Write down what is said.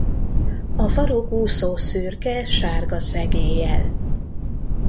A farokúszó szürke sárga szegéllyel.